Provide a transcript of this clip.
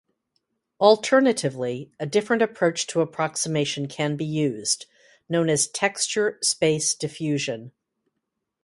Alternatively, a different approach to approximation can be used, known as texture-space diffusion.